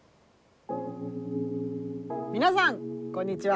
皆さんこんにちは。